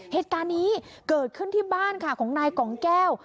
เหตุการณ์นี้เกิดขึ้นที่บ้านค่ะของนายกองแก้ว